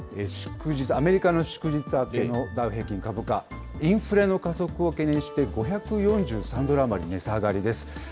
アメリカの祝日明けのダウ平均株価、インフレの加速を懸念して、５４３ドル余り値下がりです。